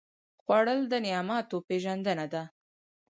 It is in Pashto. خوړل د نعماتو پېژندنه ده